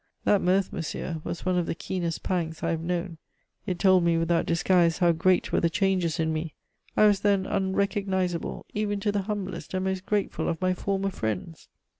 That mirth, monsieur, was one of the keenest pangs I have known. It told me without disguise how great were the changes in me! I was, then, unrecognizable even to the humblest and most grateful of my former friends!